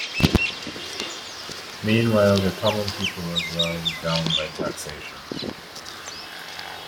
Meanwhile, the common people were ground down by taxation.